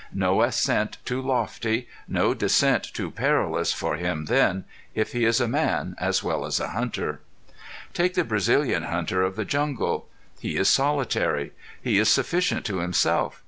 No ascent too lofty no descent too perilous for him then, if he is a man as well as a hunter! Take the Brazilian hunter of the jungle. He is solitary. He is sufficient to himself.